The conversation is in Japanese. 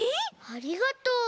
ありがとう。